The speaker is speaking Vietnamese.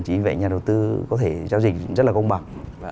chính vì vậy nhà đầu tư có thể giao dịch rất là công bằng